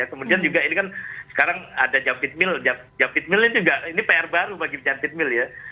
kemudian juga ini kan sekarang ada javid mil ini pr baru bagi javid mil